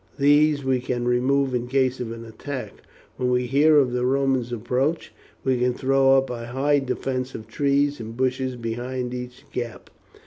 These we can remove in case of attack. When we hear of the Romans' approach we can throw up a high defence of trees and bushes behind each gap."